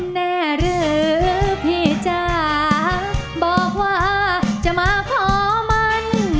แน่หรือพี่จ๋าบอกว่าจะมาขอมัน